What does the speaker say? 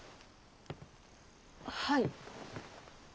はい。